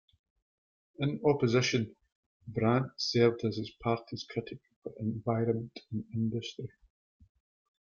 In opposition, Brandt served as his party's critic for Environment and Industry.